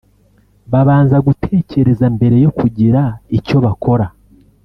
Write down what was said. babanza gutekereza mbere yo kugira icyo bakora